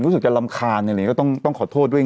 รู้สึกจะรำคาญอะไรอย่างนี้ก็ต้องขอโทษด้วย